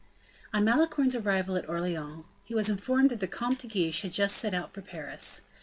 On Malicorne's arrival at Orleans, he was informed that the Comte de Guiche had just set out for Paris.